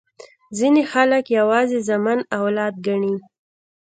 ځیني خلګ یوازي زامن اولاد ګڼي.